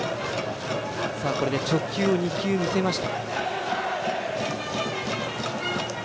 これで直球を２球見せました。